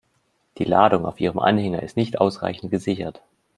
Die Ladung auf Ihrem Anhänger ist nicht ausreichend gesichert.